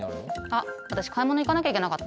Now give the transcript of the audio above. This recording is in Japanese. あっ私買い物行かなきゃいけなかった。